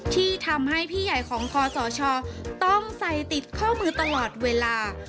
ที่ทำให้พี่ใหญ่ของคอสชต้องใส่ติดข้อมือตลอดเวลา